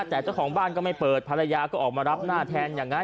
แต่เจ้าของบ้านก็ไม่เปิดภรรยาก็ออกมารับหน้าแทนอย่างนั้น